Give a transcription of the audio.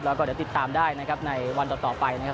แล้วก็เดี๋ยวติดตามได้นะครับในวันต่อไปนะครับ